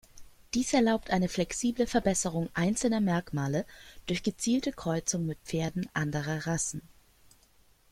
Dies erlaubt eine flexible Verbesserung einzelner Merkmale durch gezielte Kreuzung mit Pferden anderer Rassen.